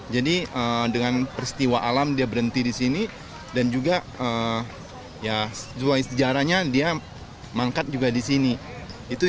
jadi dengan peristiwa alam dia berhenti di sini dan juga ya sejauh sejarahnya dia mangkat juga di sini